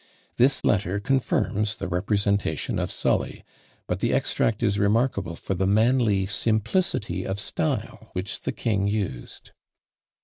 This letter confirms the representation of Sully; but the extract is remarkable for the manly simplicity of style which the king used.